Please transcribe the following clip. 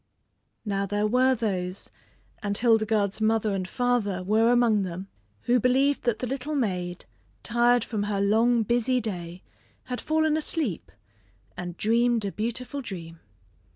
Now there were those, and Hildegarde's mother and father were among them, who believed that the little maid, tired from her long busy day, had fallen asleep, and dreamed a beautiful dream.